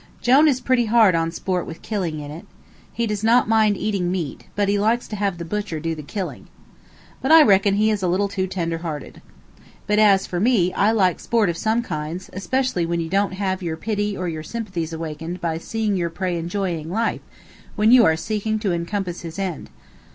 Jone is pretty hard on sport with killing in it. He does not mind eating meat, but he likes to have the butcher do the killing. But I reckon he is a little too tender hearted. But, as for me, I like sport of some kinds, especially when you don't have your pity or your sympathies awakened by seeing your prey enjoying life when you are seeking to encompass his end.